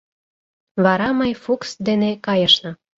Вара мый Фукс дене кайышна.